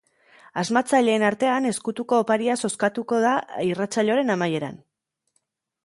Asmatzaileen artean ezkutuko oparia zozkatuko da irratsaioaren amaieran.